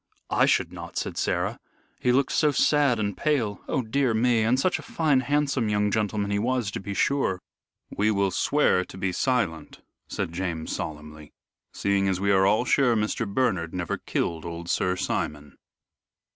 "I should not," said Sarah; "he looked so sad and pale. Oh dear me! and such a fine, handsome young gentleman he was, to be sure." "We will swear to be silent," said James, solemnly, "seeing as we are all sure Mr. Bernard never killed old Sir Simon."